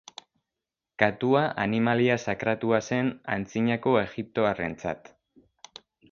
Katua animalia sakratua zen antzinako egiptoarrentzat.